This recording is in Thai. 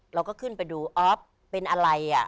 เราก็ขึ้นไปดูออฟเป็นอะไร